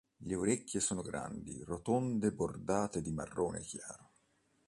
Le orecchie sono grandi, rotonde bordate di marrone chiaro.